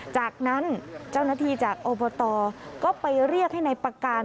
จากนั้นเจ้าหน้าที่จากอบตก็ไปเรียกให้นายประการ